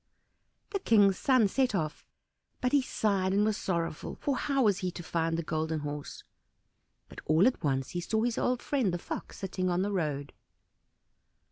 The King's son set off, but he sighed and was sorrowful, for how was he to find the Golden Horse? But all at once he saw his old friend the Fox sitting on the road.